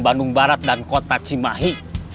bandung barat dan kota cimahi